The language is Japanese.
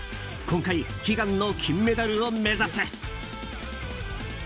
今回、悲願の金メダルを目指す。